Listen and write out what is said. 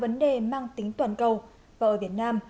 vâng bạo lực gia đình là vấn đề mang tính toàn cầu và ở việt nam